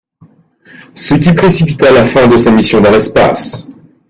Ce qui précipita la fin de sa mission dans l'espace.